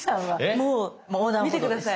もう見て下さい。